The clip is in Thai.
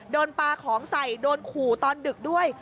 โดนปลาของใส่โดนขู่ตอนดึกด้วย